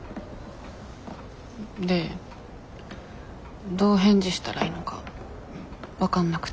でどう返事したらいいのか分かんなくて。